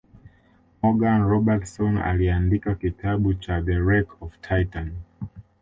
Morgan Robertson aliandika kitabu cha The Wreck Of Titan